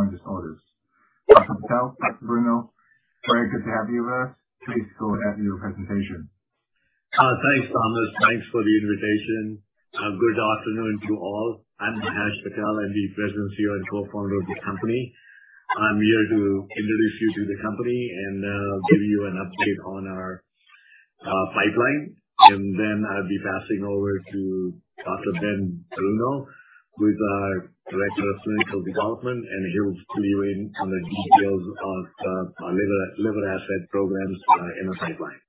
disorders. Dr. Patel, Dr. Bruno, very good to have you with us. Please go ahead with your presentation. Thanks, Thomas. Thanks for the invitation. Good afternoon to all. I'm Mahesh Patel. I'm the President, CEO, and Co-founder of the company. I'm here to introduce you to the company and give you an update on our pipeline. Then I'll be passing over to Dr. Ben Bruno, who is our Director of Clinical Development, and he will cue you in on the details of our liver asset programs in our pipeline.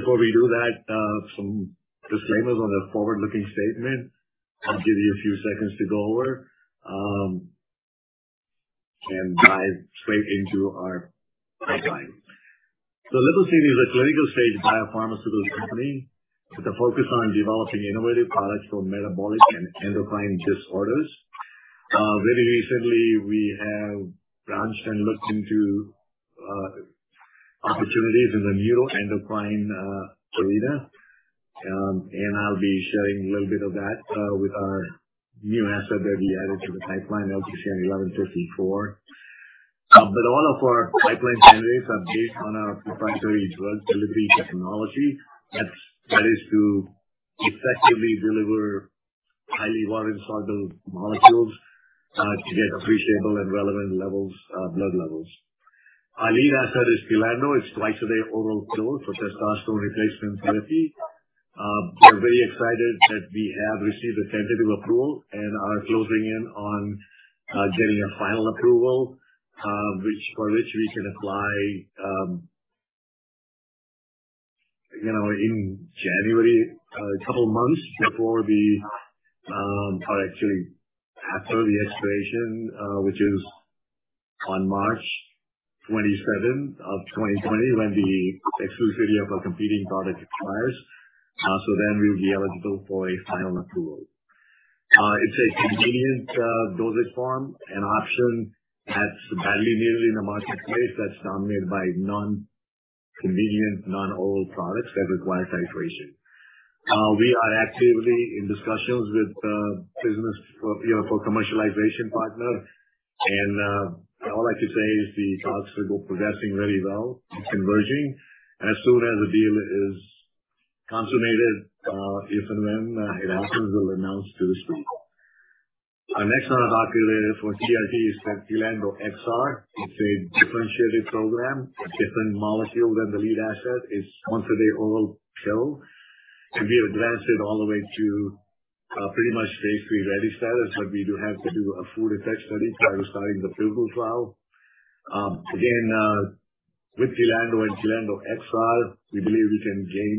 Before we do that, some disclaimers on the forward-looking statement. I'll give you a few seconds to go over, and dive straight into our pipeline. Lipocine is a clinical-stage biopharmaceutical company with a focus on developing innovative products for metabolic and endocrine disorders. Very recently, we have branched and looked into opportunities in the neuroendocrine arena. I'll be sharing a little bit of that with our new asset that we added to the pipeline, LPCN 1154. All of our pipeline update on our proprietary drug delivery technology that is to effectively deliver highly water-soluble molecules to get appreciable and relevant blood levels. Our lead asset is TLANDO. It's twice a day oral pill for testosterone replacement therapy. We're very excited that we have received a tentative approval and are closing in on getting a final approval for which we can apply in January, a couple of months after the expiration, which is on March 27, 2020, when the exclusivity of our competing product expires. We'll be eligible for a final approval. It's a convenient dosage form and option that's badly needed in the marketplace that's dominated by non-convenient, non-oral products that require titration. We are actively in discussions with business for commercialization partner. All I can say is the talks are progressing very well and converging. As soon as the deal is consummated, if and when it happens, we'll announce to the street. Our next one on our for TRT is TLANDO XR. It's a differentiated program, different molecule than the lead asset. It's once a day oral pill to be advanced all the way to pretty much phase III ready status, but we do have to do a food effect study prior to starting the pivotal trial. Again, with TLANDO and TLANDO XR, we believe we can gain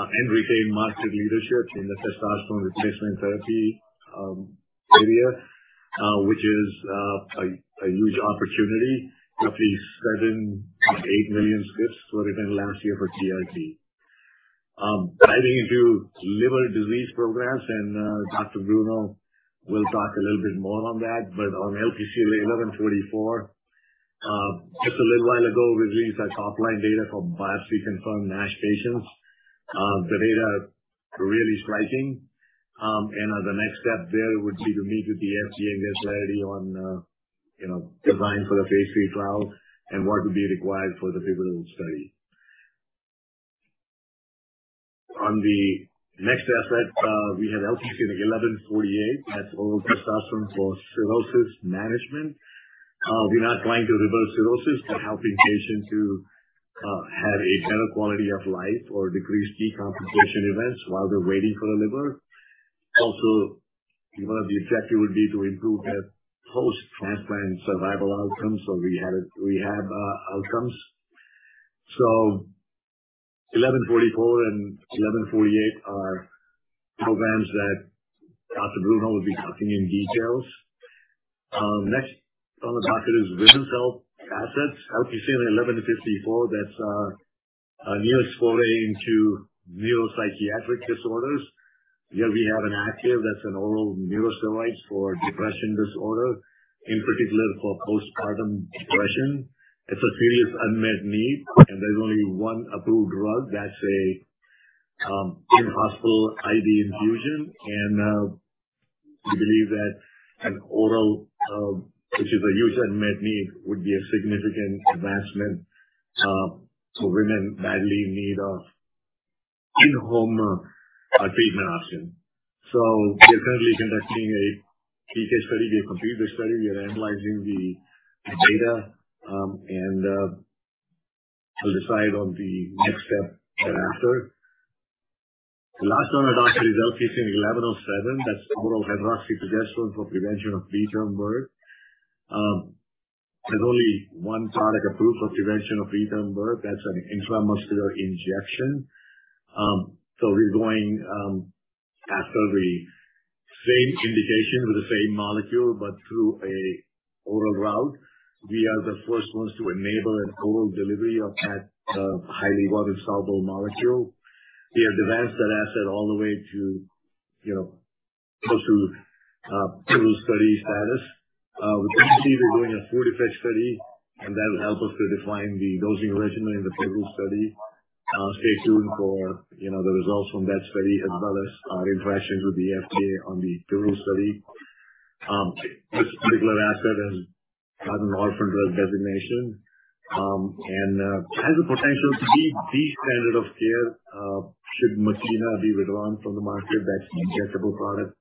and regain market leadership in the testosterone replacement therapy area, which is a huge opportunity. Roughly 7 to 8 million scripts were written last year for TRT. Diving into liver disease programs, Dr. Bruno will talk a little bit more on that, but on LPCN 1144, just a little while ago, we released our top-line data for biopsy-confirmed NASH patients. The data is really striking. The next step there would be to meet with the FDA and get clarity on design for the phase III trial and what would be required for the pivotal study. On the next asset, we have LPCN 1148. That's oral testosterone for cirrhosis management. We're not trying to reverse cirrhosis but helping patients who have a better quality of life or decrease decompensation events while they're waiting for a liver. Also, one of the objectives would be to improve their post-transplant survival outcomes or rehab outcomes. 1144 and 1148 are programs that Dr. Bruno will be talking in details. Next on the docket is women's health assets, LPCN 1154. That's our new exploratory into neuropsychiatric disorders. Here we have an active that's an oral neurosteroid for depression disorder, in particular for postpartum depression. It's a serious unmet need, there's only one approved drug that's an in-hospital IV infusion. We believe that an oral, which is a huge unmet need, would be a significant advancement for women badly in need of in-home treatment option. We are currently conducting a key test study. We have completed the study. We are analyzing the data, and we'll decide on the next step thereafter. The last one on the docket is LPCN 1107. That's the oral hydroxyprogesterone for prevention of preterm birth. There's only one product approved for prevention of preterm birth. That's an intramuscular injection. We're going after the same indication with the same molecule, but through a oral route. We are the first ones to enable an oral delivery of that highly water-soluble molecule. We have advanced that asset all the way to close to pivotal study status. We're currently doing a food effect study. That will help us to define the dosing regimen in the pivotal study. Stay tuned for the results from that study, as well as our interaction with the FDA on the PERLE study. This particular asset has an orphan drug designation, and has the potential to be the standard of care should Makena be withdrawn from the market, that injectable product.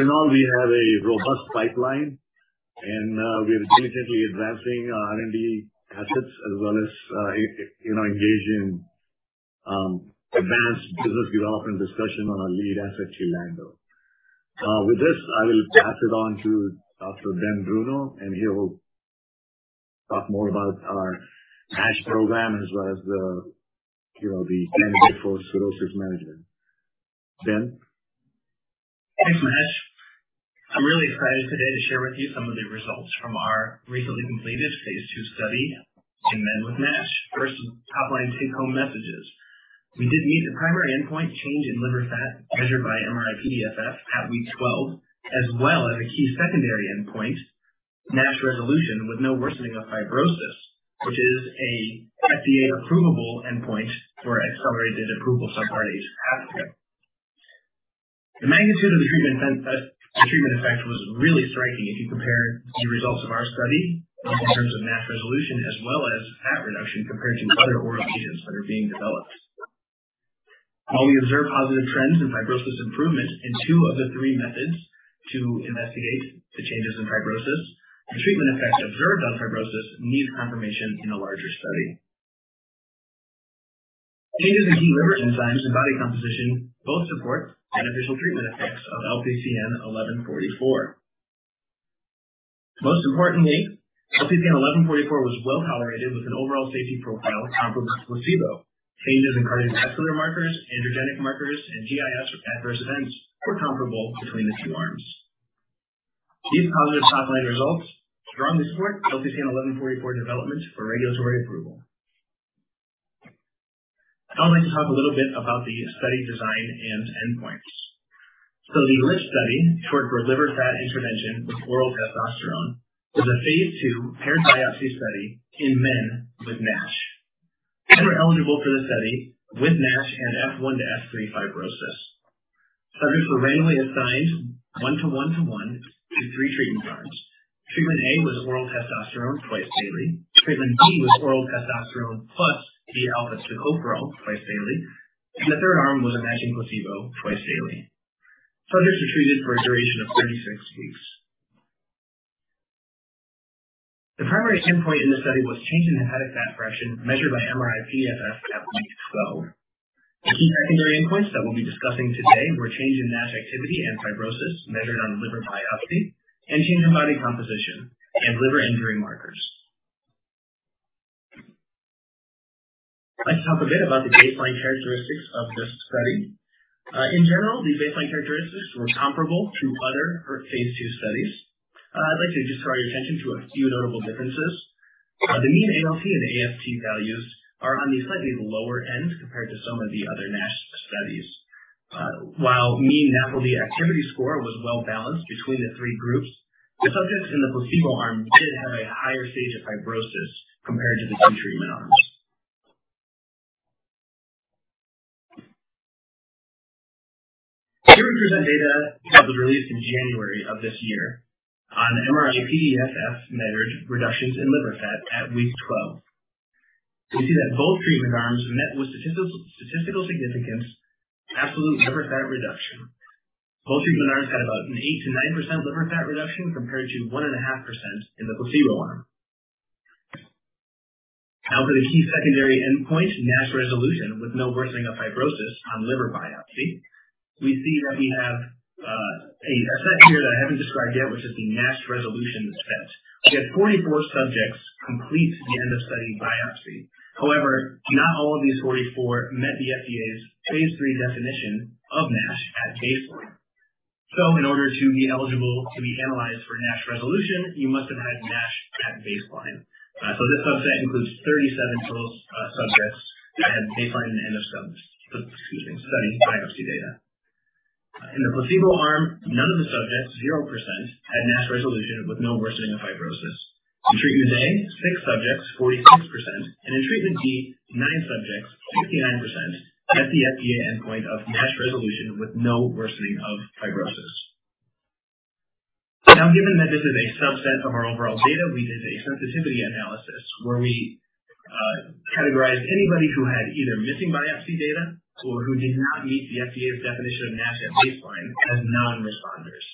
In all, we have a robust pipeline, and we are diligently advancing our R&D assets as well as engaged in advanced business development discussion on our lead asset, TLANDO. With this, I will pass it on to Dr. Ben Bruno. He will talk more about our NASH program as well as the candidate for cirrhosis management. Ben? Thanks, Mahesh. I'm really excited today to share with you some of the results from our recently completed phase II study in men with NASH. First, top line take-home messages. We did meet the primary endpoint change in liver fat measured by MRI-PDFF at week 12, as well as a key secondary endpoint, NASH resolution with no worsening of fibrosis, which is a FDA approvable endpoint for accelerated approval subcategories in the past. The magnitude of the treatment effect was really striking if you compare the results of our study in terms of NASH resolution as well as fat reduction compared to other oral agents that are being developed. While we observe positive trends in fibrosis improvement in two of the three methods to investigate the changes in fibrosis, the treatment effects observed on fibrosis need confirmation in a larger study. Changes in key liver enzymes and body composition both support beneficial treatment effects of LPCN 1144. Most importantly, LPCN 1144 was well-tolerated with an overall safety profile comparable to placebo. Changes in cardiovascular markers, androgenic markers, and GI adverse events were comparable between the two arms. These positive top-line results strongly support LPCN 1144 development for regulatory approval. a little bit about the study design and endpoints. The LiFT study, short for Liver Fat Intervention with Oral Testosterone, was a phase II paired biopsy study in men with NASH. Men were eligible for the study with NASH and F1 to F3 fibrosis. Subjects were randomly assigned one-to-one-to-one to three treatment arms. Treatment A was oral testosterone twice daily. Treatment B was oral testosterone plus d-alpha-tocopherol twice daily. The third arm was matching placebo twice daily. Subjects were treated for a duration of 36 weeks. The primary endpoint in the study was change in hepatic fat fraction measured by MRI-PDFF at week 12. The key secondary endpoints that we'll be discussing today were change in NASH activity and fibrosis measured on liver biopsy, and change in body composition and liver injury markers. I'd like to talk a bit about the baseline characteristics of this study. In general, the baseline characteristics were comparable to other phase II studies. I'd like to just draw your attention to a few notable differences. The mean ALP and AST values are on the slightly lower end compared to some of the other NASH studies. While mean NAFLD activity score was well-balanced between the three groups, the subjects in the placebo arm did have a higher stage of fibrosis compared to the two treatment arms. Here we present data that was released in January of this year on the MRI-PDFF measured reductions in liver fat at week 12. We see that both treatment arms met with statistical significance absolute liver fat reduction. Both treatment arms had about an 8%-9% liver fat reduction, compared to 1.5% in the placebo arm. Now for the key secondary endpoint, NASH resolution with no worsening of fibrosis on liver biopsy, we see that we have a set here that I haven't described yet, which is the NASH resolution subset. We had 44 subjects complete the end of study biopsy. However, not all of these 44 met the FDA's phase III definition of NASH at baseline. In order to be eligible to be analyzed for NASH resolution, you must have had NASH at baseline. This subset includes 37 total subjects at baseline and end of study biopsy data. In the placebo arm, none of the subjects, 0%, had NASH resolution with no worsening of fibrosis. In treatment A, six subjects, 46%, and in treatment B, nine subjects, 59%, met the FDA endpoint of NASH resolution with no worsening of fibrosis. Given that this is a subset of our overall data, we did a sensitivity analysis where we categorized anybody who had either missing biopsy data or who did not meet the FDA's definition of NASH at baseline as non-responders.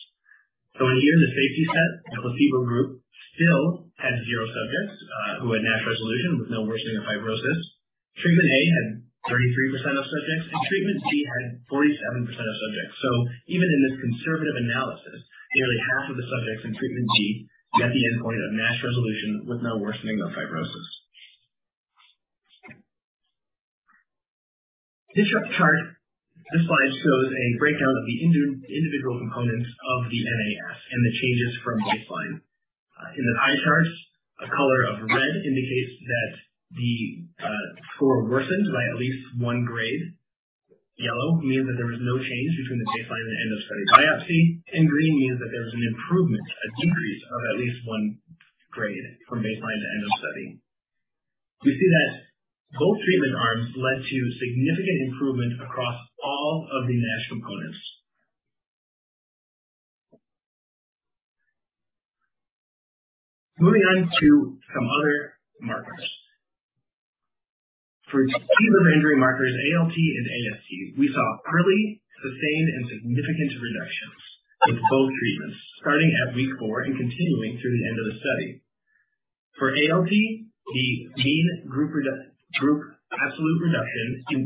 In here, the safety set, the placebo group still had zero subjects, who had NASH resolution with no worsening of fibrosis. Treatment A had 33% of subjects, and treatment B had 47% of subjects. Even in this conservative analysis, nearly half of the subjects in treatment B met the endpoint of NASH resolution with no worsening of fibrosis. This chart shows a breakdown of the individual components of the NAS and the changes from baseline. In the pie charts, a color of red indicates that the score worsened by at least one grade. Yellow means that there was no change between the baseline and end of study biopsy, and green means that there was an improvement, a decrease of at least one grade from baseline to end of study. We see that both treatment arms led to significant improvement across all of the NASH components. Moving on to some other markers. For two remaining markers, ALT and AST, we saw early, sustained, and significant reductions in both treatments, starting at week four and continuing through the end of the study. For ALT, the mean group absolute reduction in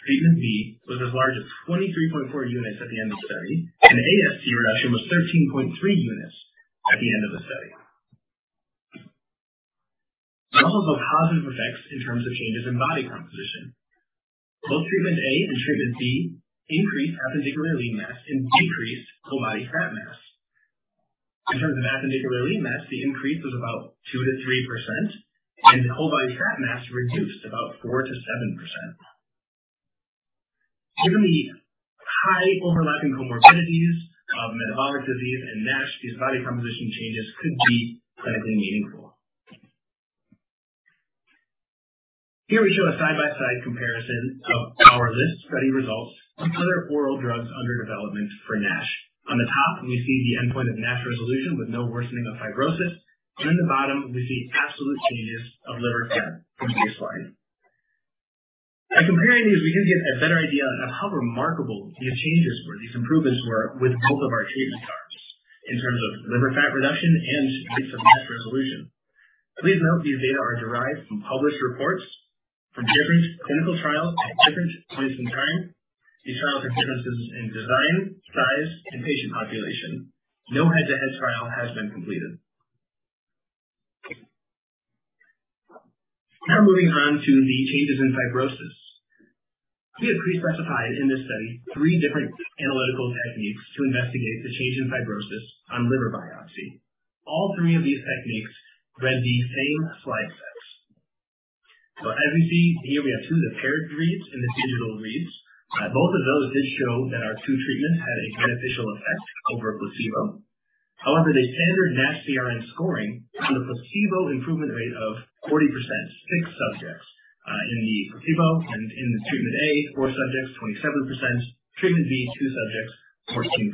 treatment B was as large as 23.4 units at the end of the study, and AST reduction was 13.3 units at the end of the study. We also saw positive effects in terms of changes in body composition. Both treatment A and treatment B increased after mass and decreased whole body fat mass. In terms of fat and lean mass, the increase was about 2%-3%, and the whole body fat mass reduced about 4%-7%. Given the high overlapping comorbidities of metabolic disease and NASH, these body composition changes could be clinically meaningful. Here we show a side-by-side comparison of our list of study results from other oral drugs under development for NASH. On the top, we see the endpoint of NASH resolution with no worsening of fibrosis. In the bottom, we see absolute changes of liver fat from baseline. By comparing these, we can get a better idea of how remarkable the changes were with both of our treatment arms in terms of liver fat reduction and rates of NASH resolution. Please note, these data are derived from published reports from different clinical trials at different points in time. These trials had differences in design, size, and patient population. No head-to-head trial has been completed. Moving on to the changes in fibrosis. We had pre-specified in this study three different analytical techniques to investigate the change in fibrosis on liver biopsy. All three of these techniques read the same slide sets. As we see here, we have two of the paired reads and the digital reads. Both of those did show that our two treatments had a beneficial effect over a placebo. The standard NASH CRN scoring had a placebo improvement rate of 40%, six subjects in the placebo, and in the treatment A, four subjects, 27%. Treatment B, two subjects, 14%.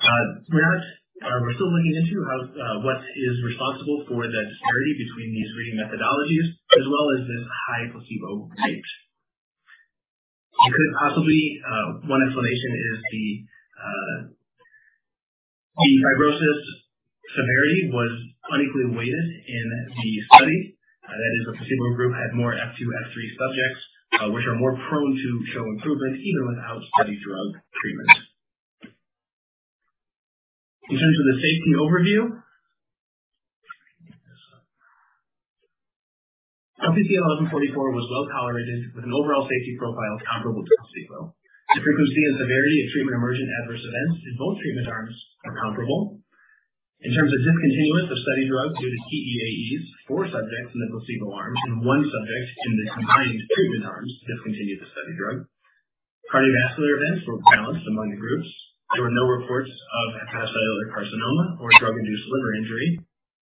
We're still looking into what is responsible for the disparity between these reading methodologies as well as this high placebo rate. One explanation is the fibrosis severity was unequally weighted in the study. That is, the placebo group had more F2, F3 subjects, which are more prone to show improvement even without study drug treatment. In terms of the safety overview, LPCN 1144 was well-tolerated with an overall safety profile comparable to placebo. The frequency and severity of treatment-emergent adverse events in both treatment arms are comparable. In terms of discontinuance of study drug due to TEAEs, four subjects in the placebo arm and one subject in the combined treatment arms discontinued the study drug. Cardiovascular events were balanced among the groups. There were no reports of hepatocellular carcinoma or drug-induced liver injury.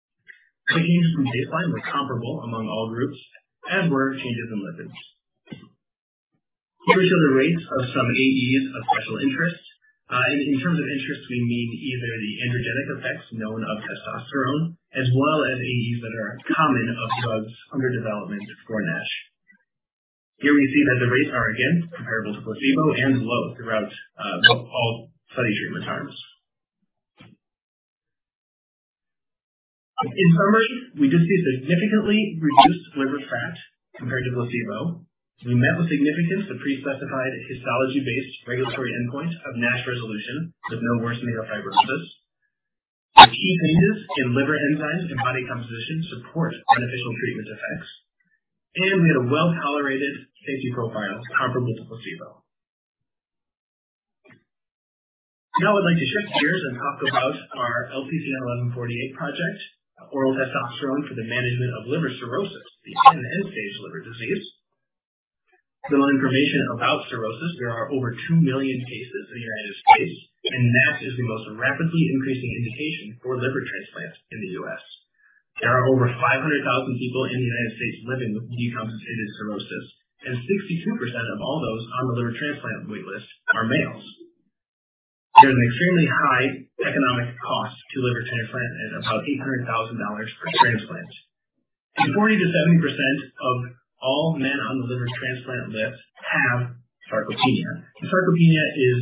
was comparable among all groups, as were changes in lipids. Here we show the rates of some AEs of special interest. In terms of interest, we mean either the androgenic effects known of testosterone as well as AEs that are common of drugs under development for NASH. Here we see that the rates are again comparable to placebo and low throughout all study treatment arms. In summary, we did see significantly reduced liver fat compared to placebo. We met the significance, the pre-specified histology-based regulatory endpoint of NASH resolution with no worsening of fibrosis. The key changes in liver enzymes and body composition support beneficial treatment effects. We had a well-tolerated safety profile comparable to placebo. Now I'd like to shift gears and talk about our LPCN 1148 project, oral testosterone for the management of liver cirrhosis, the end-stage liver disease. Some information about cirrhosis. There are over 2 million cases in the United States and NASH is the most rapidly increasing indication for liver transplants in the U.S. There are over 500,000 people in the United States living with decompensated cirrhosis, and 62% of all those on the liver transplant wait list are males. There is an extremely high economic cost to liver transplant at about $800,000 per transplant. 40%-70% of all men on the liver transplant list have sarcopenia. Sarcopenia is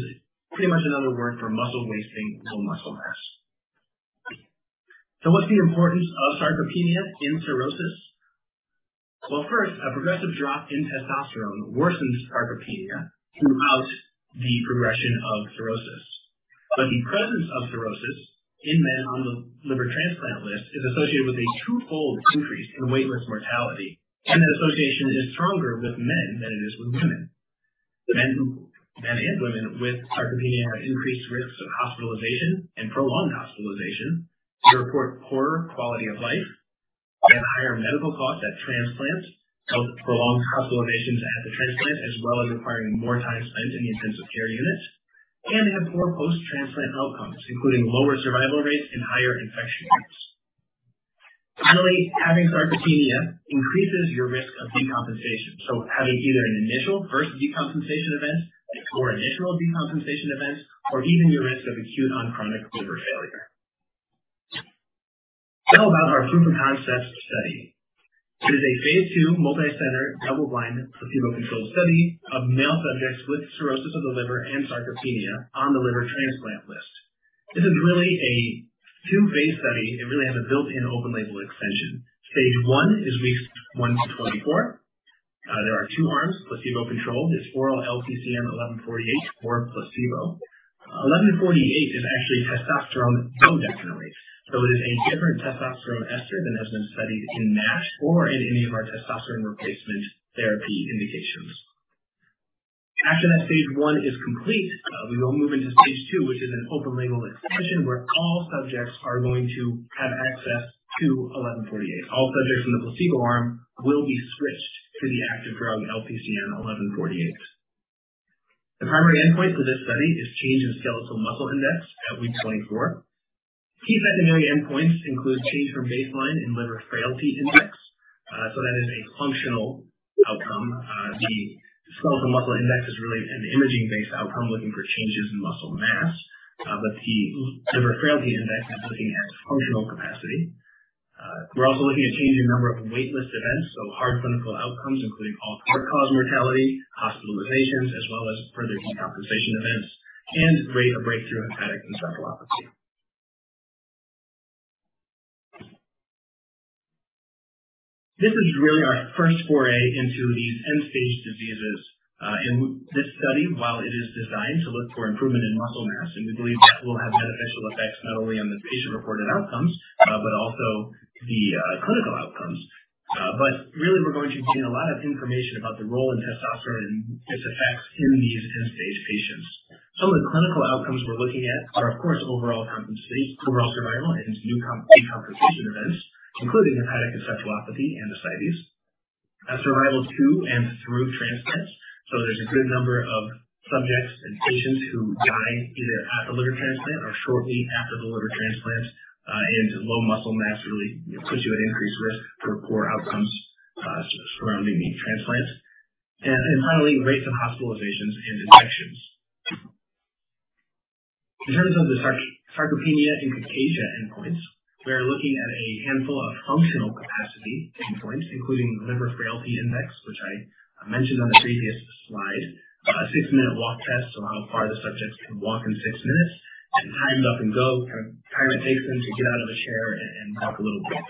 pretty much another word for muscle wasting and low muscle mass. What's the importance of sarcopenia in cirrhosis? Well, first, a progressive drop in testosterone worsens sarcopenia throughout the progression of cirrhosis. The presence of cirrhosis in men on the liver transplant list is associated with a twofold increase in waitlist mortality, and that association is stronger with men than it is with women. Men and women with sarcopenia have increased risks of hospitalization and prolonged hospitalization. They report poorer quality of life. They have higher medical costs at transplant, prolonged hospitalizations at the transplant, as well as requiring more time spent in the intensive care unit, and have poor post-transplant outcomes, including lower survival rates and higher infection rates. Finally, having sarcopenia increases your risk of decompensation. Having either an initial first decompensation event, a core initial decompensation event, or even your risk of acute-on-chronic liver failure. About our proof-of-concept study. It is a phase II multi-center, double-blind, placebo-controlled study of male subjects with cirrhosis of the liver and sarcopenia on the liver transplant list. This is really a two-phase study. It really has a built-in open label extension. Phase I is weeks 1 to 24. There are two arms, placebo-controlled. It's oral LPCN 1148 or placebo. 1148 is actually testosterone undecanoate. It is a different testosterone ester than has been studied in NASH or in any of our testosterone replacement therapy indications. After that phase I is complete, we will move into phase II, which is an open label extension where all subjects are going to have access to 1148. All subjects in the placebo arm will be switched to the active drug, LPCN 1148. The primary endpoint for this study is change in skeletal muscle index at week 24. Key secondary endpoints include change from baseline in Liver Frailty Index. That is a functional outcome. The skeletal muscle index is really an imaging-based outcome looking for changes in muscle mass. The Liver Frailty Index is looking at functional capacity. We're also looking at change in number of wait list events, so hard clinical outcomes including all-cause mortality, hospitalizations, as well as further decompensation events, and rate of breakthrough hepatic encephalopathy. This is really our first foray into these end-stage diseases. In this study, while it is designed to look for improvement in muscle mass, and we believe that will have beneficial effects not only on the patient-reported outcomes, but also the clinical outcomes. Really, we're going to gain a lot of information about the role in testosterone and its effects in these end-stage patients. Some of the clinical outcomes we're looking at are, of course, overall compensation, overall survival, and decompensation events, including hepatic encephalopathy and ascites. Survival to and through transplant. There's a good number of subjects and patients who die either at the liver transplant or shortly after the liver transplant. Low muscle mass really puts you at increased risk for poor outcomes surrounding the transplant. Finally, rates of hospitalizations and infections. In terms of the sarcopenia and cachexia endpoints, we are looking at a handful of functional capacity endpoints, including Liver Frailty Index, which I mentioned on the previous slide. A six minute walk test, so how far the subjects can walk in six minutes. Timed up and go, time it takes them to get out of a chair and walk a little bit.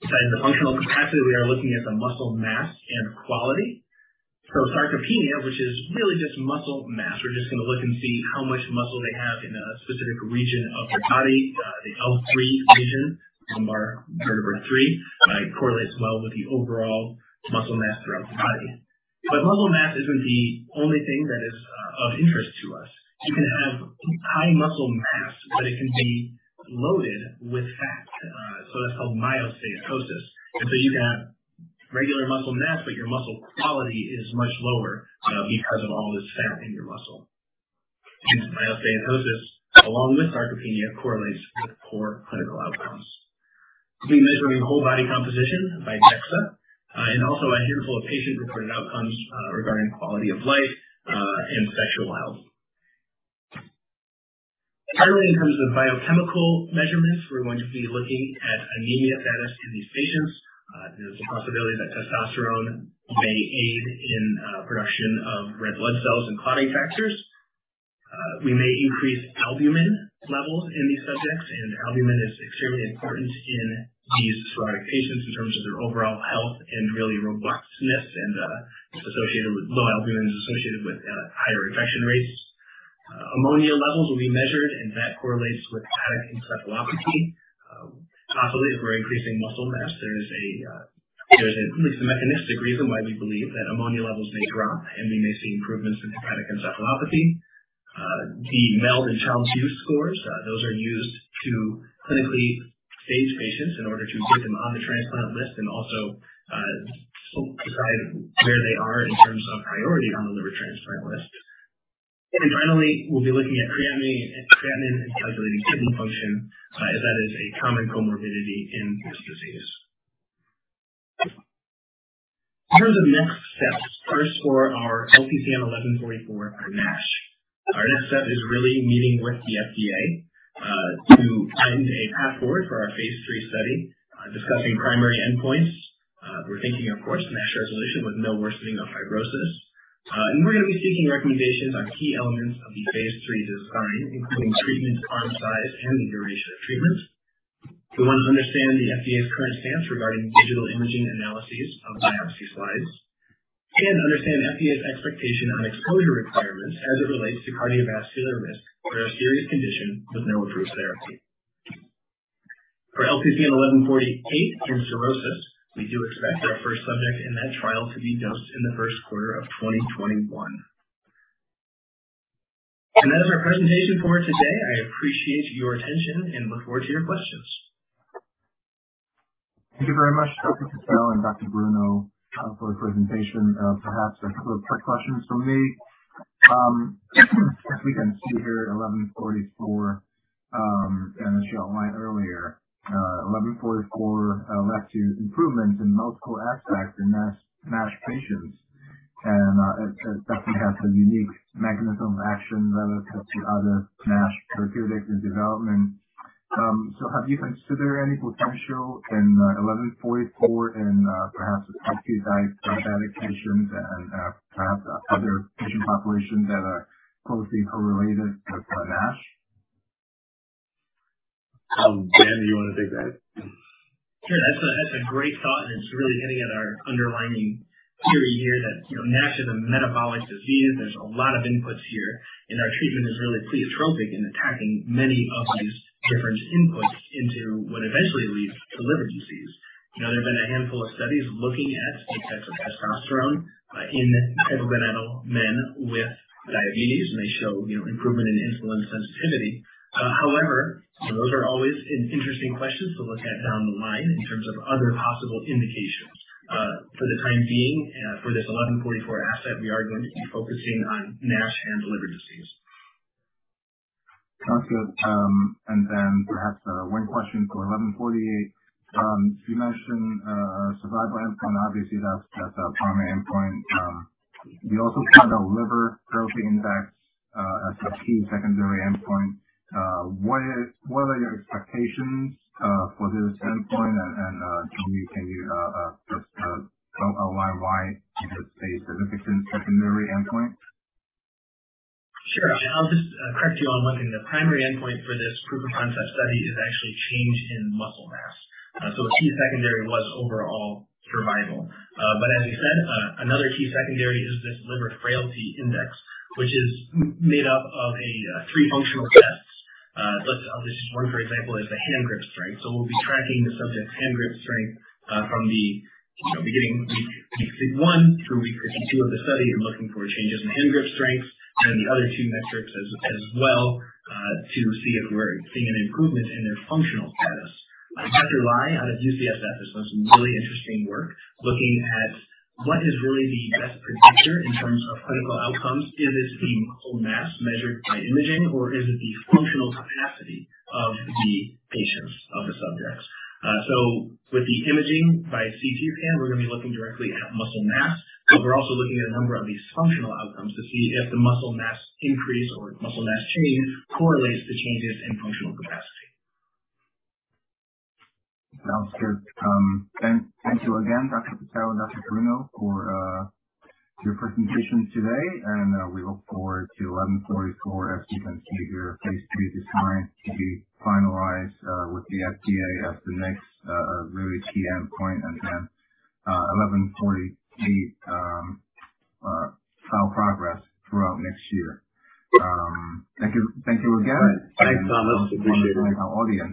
Besides the functional capacity, we are looking at the muscle mass and quality. Sarcopenia, which is really just muscle mass. We're just going to look and see how much muscle they have in a specific region of their body. The L3 region, lumbar vertebra three, correlates well with the overall muscle mass throughout the body. Muscle mass isn't the only thing that is of interest to us. You can have high muscle mass, but it can be loaded with fat. That's called myosteatosis. You can have regular muscle mass, but your muscle quality is much lower because of all this fat in your muscle. Myosteatosis, along with sarcopenia, correlates with poor clinical outcomes. We'll be measuring whole body composition by DEXA, and also a handful of patient-reported outcomes regarding quality of life and sexual health. Finally, in terms of biochemical measurements, we're going to be looking at anemia status in these patients. There's a possibility that testosterone may aid in production of red blood cells and clotting factors. We may increase albumin levels in these subjects, and albumin is extremely important in these cirrhotic patients in terms of their overall health and really robustness, and low albumin is associated with higher infection rates. Ammonia levels will be measured and that correlates with hepatic encephalopathy. Possibly, if we're increasing muscle mass, there's at least a mechanistic reason why we believe that ammonia levels may drop and we may see improvements in hepatic encephalopathy. The MELD and Child-Pugh scores, those are used to clinically stage patients in order to get them on the transplant list and also decide where they are in terms of priority on the liver transplant list. Finally, we'll be looking at creatinine and calculating kidney function, as that is a common comorbidity in this disease. In terms of next steps, first for our LPCN 1144 for NASH. Our next step is really meeting with the FDA to find a path forward for our phase III study, discussing primary endpoints. We're thinking, of course, NASH resolution with no worsening of fibrosis. We're going to be seeking recommendations on key elements of the phase III design, including treatment arm size and the duration of treatment. We want to understand the FDA's current stance regarding digital imaging analyses of biopsy slides and understand FDA's expectation on exposure requirements as it relates to cardiovascular risk for a serious condition with no approved therapy. For LPCN 1148 in cirrhosis, we do expect our first subject in that trial to be dosed in the first quarter of 2021. That is our presentation for today. I appreciate your attention and look forward to your questions. Thank you very much, Dr. Patel and Dr. Bruno, for the presentation. Perhaps a couple of quick questions from me. As we can see here, 1144, and as you outlined earlier, 1144 left you improvements in multiple aspects in NASH patients. It definitely has a unique mechanism of action relative to other NASH therapeutics in development. Have you considered any potential in 1144 in perhaps patients and perhaps other patient populations that are closely correlated with NASH? Ben, do you want to take that? That's a great thought, and it's really getting at our underlying theory here that NASH is a metabolic disease. There's a lot of inputs here. Our treatment is really pleiotropic in attacking many of these different inputs into what eventually leads to liver disease. There have been a handful of studies looking at the effects of testosterone in hypogonadal men with diabetes, and they show improvement in insulin sensitivity. However, those are always interesting questions to look at down the line in terms of other possible indications. For the time being, for this 1144 asset, we are going to be focusing on NASH and liver disease. Perhaps one question for 1148. You mentioned survival endpoint. Obviously, that's a primary endpoint. You also have the Liver Frailty Index as a key secondary endpoint. What are your expectations for this endpoint, and can you outline why it's a significant secondary endpoint? I'll just correct you on one thing. The primary endpoint for this proof of concept study is actually change in muscle mass. The key secondary was overall survival. As you said, another key secondary is this Liver Frailty Index, which is made up of three functional tests. One for example, is the hand grip strength. We'll be tracking the subject's hand grip strength from the beginning, week one through week 52 of the study and looking for changes in hand grip strength and the other two metrics as well, to see if we're seeing an improvement in their functional status. Dr. Lai out of UCSF has done some really interesting work looking at what is really the best predictor in terms of clinical outcomes. Is it the muscle mass measured by imaging, or is it the functional capacity of the patients, of the subjects? With the imaging by CT scan, we're going to be looking directly at muscle mass. We're also looking at a number of these functional outcomes to see if the muscle mass increase or muscle mass change correlates to changes in functional capacity. Sounds good. Thank you again, Dr. Patel and Dr. Bruno, for your presentations today. We look forward to 1144, as you can see here, phase III design to be finalized with the FDA as the next really key endpoint, and then 1148 trial progress throughout next year. Thank you again. Thanks, Thomas. Appreciate it. I want to thank our audience.